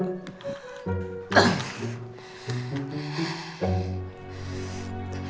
tuh tuh tuh